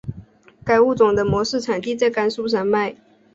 该物种的模式产地在甘肃山脉。